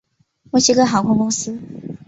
墨西哥航空公司。